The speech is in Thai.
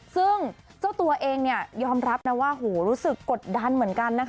ซึ่งเจ้าตัวเองยอมรับรู้สึกปรกดดั้นเหมือนกัน